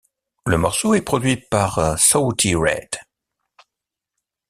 Le morceau est produit par Shawty Redd.